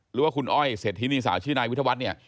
หรือว่าคุณอ้อยเศรษฐินีสาวชื่อนายวิทยาวัฒน์เนี่ย